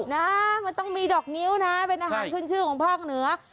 นะมันต้องมีดอกนิ้วนะเป็นอาหารขึ้นชื่อของภาคเหนือ